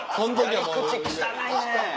やり口汚いね。